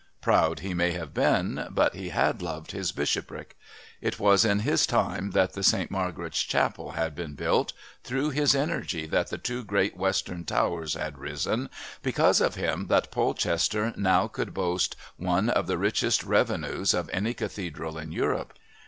Proud he may have been, but he had loved his Bishopric. It was in his time that the Saint Margaret's Chapel had been built, through his energy that the two great Western Towers had risen, because of him that Polchester now could boast one of the richest revenues of any Cathedral in Europe.